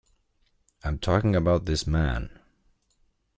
I'm talking about this man.